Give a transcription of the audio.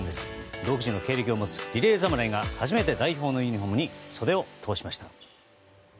独自の経歴を持つリレー侍が初めて初めて代表のユニホームに袖を通しました。